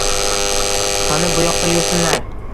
Qani, bu yoqqa yursinlar